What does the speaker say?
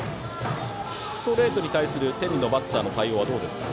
ストレートに対する天理のバッターの対応はどうですか。